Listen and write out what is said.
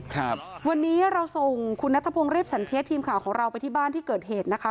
ครับวันนี้เราส่งคุณนัทพงศ์เรียบสันเทียดทีมข่าวของเราไปที่บ้านที่เกิดเหตุนะคะ